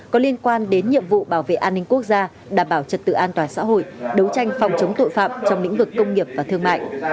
có liên quan đến nhiệm vụ bảo vệ an ninh quốc gia đảm bảo trật tự an toàn xã hội đấu tranh phòng chống tội phạm trong lĩnh vực công nghiệp và thương mại